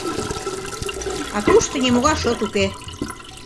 А тушто нимогай шот уке.